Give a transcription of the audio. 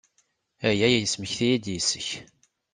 Aya yesmekti-iyi-d yes-k.